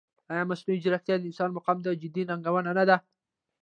ایا مصنوعي ځیرکتیا د انسان مقام ته جدي ننګونه نه ده؟